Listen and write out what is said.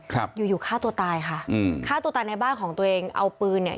ครับอยู่อยู่ฆ่าตัวตายค่ะอืมฆ่าตัวตายในบ้านของตัวเองเอาปืนเนี่ย